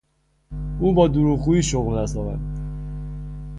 او با دروغگویی شغل بدست آورد.